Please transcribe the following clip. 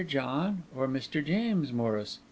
John or Mr. James Morris?"